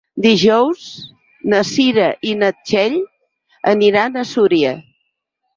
Dijous na Cira i na Txell aniran a Súria.